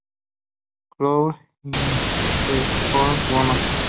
Cloud" y "The Other Woman".